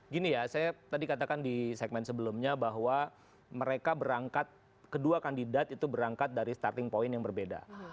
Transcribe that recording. gini ya saya tadi katakan di segmen sebelumnya bahwa mereka berangkat kedua kandidat itu berangkat dari starting point yang berbeda